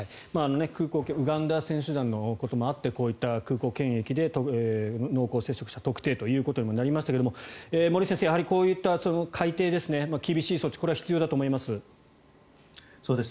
空港検疫ウガンダ選手団のこともあってこういった空港検疫で濃厚接触者特定となりましたけれども森内先生、こういった改訂厳しい措置は必要だと思います。